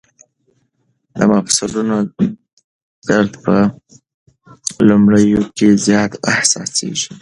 د مفصلونو درد په لومړیو کې زیات احساسېږي.